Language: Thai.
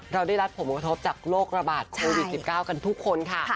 เราได้รับผลกระทบจากโรคระบาดโควิด๑๙กันทุกคนค่ะ